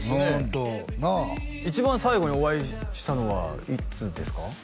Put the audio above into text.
ホントなあ一番最後にお会いしたのはいつですか？